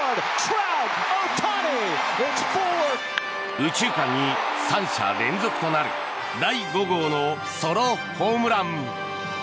右中間に、３者連続となる第５号のソロホームラン。